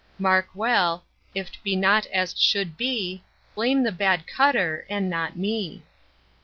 Mark well: If't be not as't should be, Blame the bad Cutter, and not me.